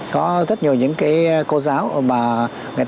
có rất nhiều những cái cô giáo mà người ta